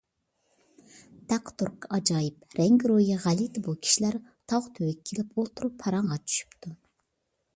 تەق - تۇرقى ئاجايىپ، رەڭگىرويى غەلىتە بۇ كىشىلەر تاغ تۈۋىگە كېلىپ ئولتۇرۇپ پاراڭغا چۈشۈپتۇ.